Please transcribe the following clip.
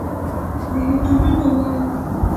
د هوټلونو والا!